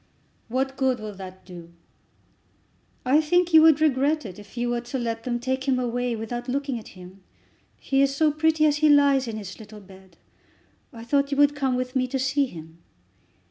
"What good will that do?" "I think you would regret it if you were to let them take him away without looking at him. He is so pretty as he lays in his little bed. I thought you would come with me to see him."